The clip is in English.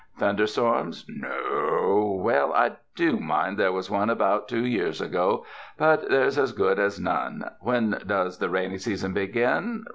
Thunder storms? No o — well I do mind there was one about two years ago ; but there's as good as none. When does the rainy season begin?